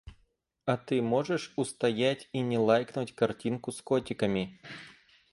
А ты можешь устоять и не лайкнуть картинку с котиками?